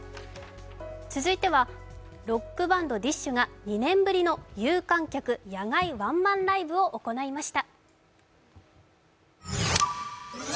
続いては、ロックバンドＤＩＳＨ／／が２年ぶりの有観客野外ワンマンライブを行いました。